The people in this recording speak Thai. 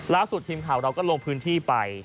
ล่าสุดทีมข่าวเราก็ลงพื้นที่ไป